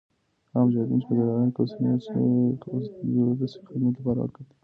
هغه مجاهدین چي په دلارام کي اوسیږي د ولسي خدمت لپاره وقف دي